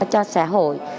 cho xã hội